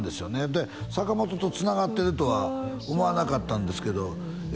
で坂本とつながってるとは思わなかったんですけどえ